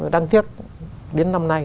đang tiếc đến năm nay